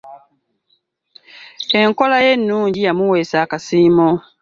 Enkola ye ennungi yamuweesa akasiimo.